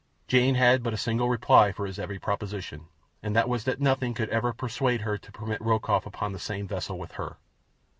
Jane had but a single reply for his every proposition, and that was that nothing would ever persuade her to permit Rokoff upon the same vessel with her.